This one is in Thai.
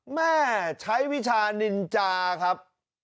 แม่ใช้วิชานินจาครับ